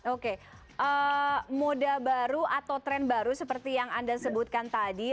oke moda baru atau tren baru seperti yang anda sebutkan tadi